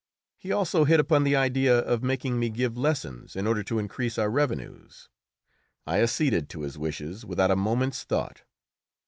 He also hit upon the idea of making me give lessons in order to increase our revenues. I acceded to his wishes without a moment's thought.